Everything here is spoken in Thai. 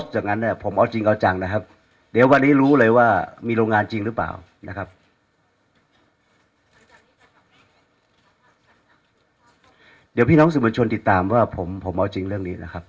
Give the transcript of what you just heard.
คือจริงมันไม่ใช่หน้าที่ของผมในเรื่องของการกำกับดูแลเรื่องหน้ากากอนามัยแต่เมื่อภาพิกษ์มาเกี่ยวข้องเอาผมในเคสนี้ผมจำเป็นต้องจัดการให้เรียบร้อย